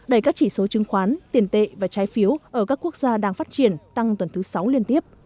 đẩy các chỉ số chứng khoán tiền tệ và trái phiếu ở các quốc gia đang phát triển tăng tuần thứ sáu liên tiếp